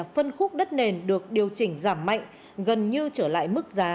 phân khúc đất nền được điều chỉnh giảm mạnh gần như trở lại mức giá